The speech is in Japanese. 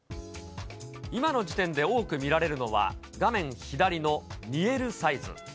今の時点で多く見られるのは、画面左の２Ｌサイズ。